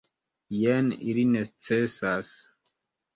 Jen, ili necesas.